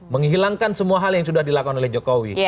menghilangkan semua hal yang sudah dilakukan oleh jokowi